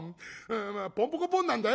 ポンポコポンなんだよ」。